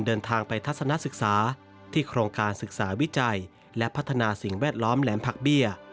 เดินทางไปทัศนศึกษาที่โครงการศึกษาวิจัยและพัฒนาสิ่งแวดล้อมแหลมผักเบี้ย